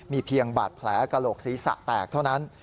มีเพียงบาดแผลกระโหลกศีรษะแตกเท่านั้น